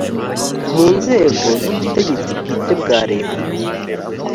mu nzego z ubutegetsi bwite bwa leta